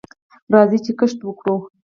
راځئ چې کښت وکړو.